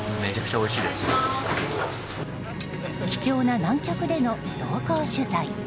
貴重な南極での同行取材。